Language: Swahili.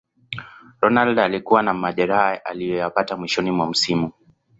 ronaldo alikuwa na majeraha aliyoyapata mwishoni mwa msimu